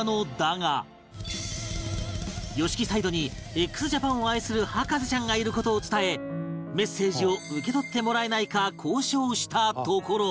ＹＯＳＨＩＫＩ サイドに ＸＪＡＰＡＮ を愛する博士ちゃんがいる事を伝えメッセージを受け取ってもらえないか交渉したところ